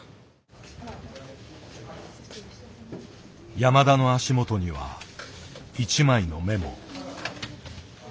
山田の足元には一枚のメモ。